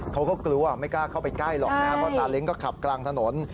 เขาก็กลัวไม่กล้าเข้าไปใกล้หรอกนะครับเพราะซาเล้งก็ขับกลางถนน